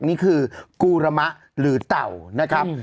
นี่คือกูระมะหรือเต่านะครับ